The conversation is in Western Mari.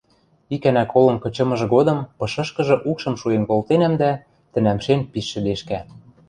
Икӓнӓ колым кычымыжы годым пышышкыжы укшым шуэн колтенӓм дӓ, тӹнӓмшен пиш шӹдешкӓ.